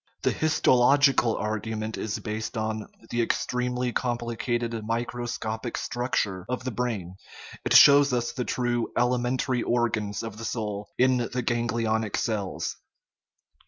The histological argument is based on the ex tremely complicated microscopic structure of the brain ; it shows us the true " elementary organs of the soul " in the ganglionic cells.